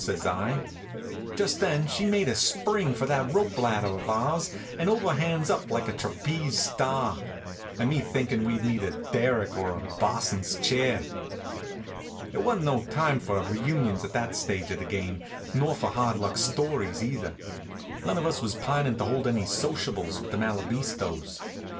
says I. Just then she made a spring for that rope ladder of ours and overhands up like a trapeze star. An' me thinkin' we'd need a derrick or a bo's'n's chair! It wa'n't no time for reunions at that stage of the game, nor for hard luck stories, either. None of us was pining to hold any sociables with the Malabistos.